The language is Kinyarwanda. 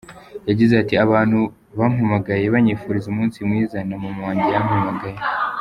Yagize ati “Abantu bampamagaye banyifuriza umunsi mwiza, na mama wanjye yampamagaye.